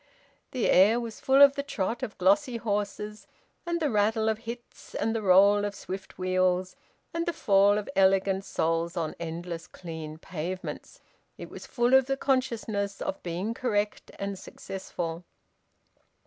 The air was full of the trot of glossy horses and the rattle of bits and the roll of swift wheels, and the fall of elegant soles on endless clean pavements; it was full of the consciousness of being correct and successful.